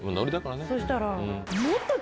そしたら。